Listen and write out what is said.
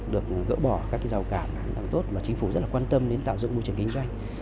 được gỡ bỏ các giao cảm rất là tốt và chính phủ rất là quan tâm đến tạo dựng môi trường kinh doanh